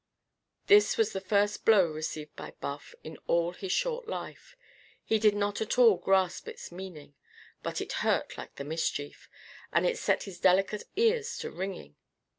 This was the first blow received by Buff in all his short life. He did not at all grasp its meaning. But it hurt like the mischief, and it set his delicate ears to ringing.